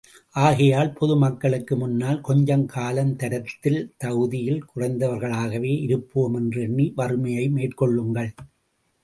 ஆகையால், பொது மக்களுக்கு முன்னால் கொஞ்சக் காலம் தரத்தில் தகுதியில் குறைந்தவர்களாகவே இருப்போம் என்று எண்ணி வறுமையை மேற்கொள்ளுங்கள்.